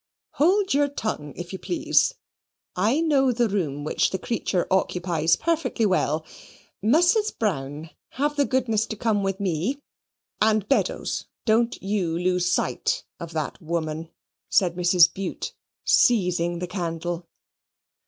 "Hold your tongue, if you please. I know the room which the creature occupies perfectly well. Mrs. Brown, have the goodness to come with me, and Beddoes don't you lose sight of that woman," said Mrs. Bute, seizing the candle.